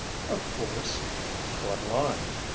"Of course." "What line?